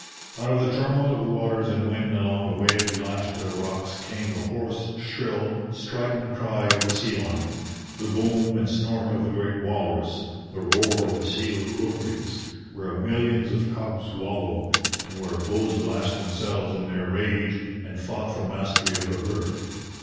Out of the turmoil of waters and wind along the wave lashed rocks came the hoarse, shrill, strident cry of the sea lion, the boom and snort of the great walrus, the roar of the seal rookeries, where millions of cubs wallowed, and where bulls lashed themselves in their rage and fought for mastery of the herd.